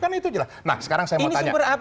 nah sekarang saya mau tanya